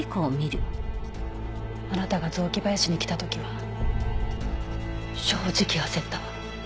あなたが雑木林に来た時は正直焦ったわ。